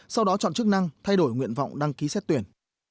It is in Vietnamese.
sau đó chọn chức năng thay đổi nguyện vọng đăng ký xét tuyển